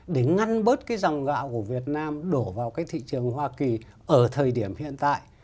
để ngăn bớt cái dòng gạo của việt nam đổ vào cái thị trường hoa kỳ ở thời điểm hiện tại